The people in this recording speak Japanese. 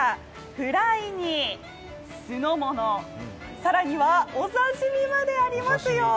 フライに酢の物、更にはお刺身までありますよ。